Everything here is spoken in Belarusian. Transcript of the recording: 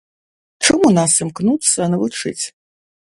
Чаму нас імкнуцца навучыць?